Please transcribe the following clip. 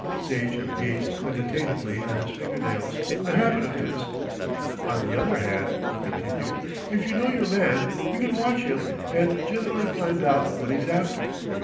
Sage gazed meditatively at his finger nails, a habit of his. "On the other hand," he continued, "if you know your man, you can watch him and generally find out what he's after.